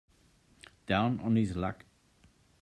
Down on his luck.